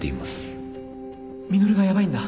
実がヤバいんだ。